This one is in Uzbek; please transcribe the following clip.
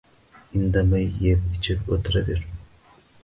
Indamay eb-ichib o`tiraver